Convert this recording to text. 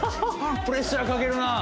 プレッシャーかけるなあ！